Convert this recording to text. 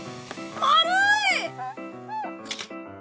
丸い！